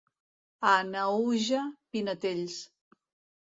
A Naüja, pinetells.